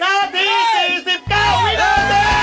นาที๔๙วินาที